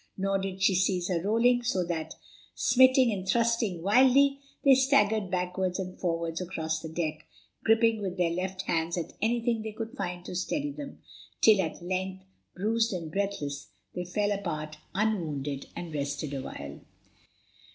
Nor did she cease her rolling, so that, smiting and thrusting wildly, they staggered backwards and forwards across the deck, gripping with their left hands at anything they could find to steady them, till at length, bruised and breathless, they fell apart unwounded, and rested awhile.